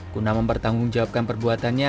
kuna mempertanggungjawabkan perbuatannya